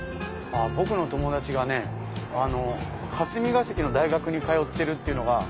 僕の友達が霞ケ関の大学に通ってるっていうのが。